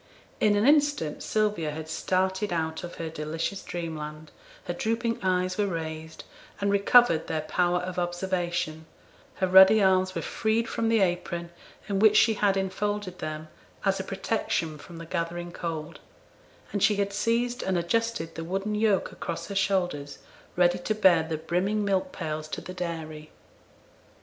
In an instant Sylvia had started out of her delicious dreamland, her drooping eyes were raised, and recovered their power of observation; her ruddy arms were freed from the apron in which she had enfolded them, as a protection from the gathering cold, and she had seized and adjusted the wooden yoke across her shoulders, ready to bear the brimming milk pails to the dairy.